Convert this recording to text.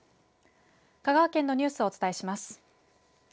香川県のニュースをお伝えします。